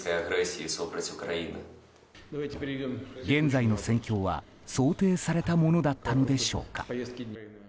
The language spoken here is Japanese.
現在の戦況は想定されたものだったのでしょうか。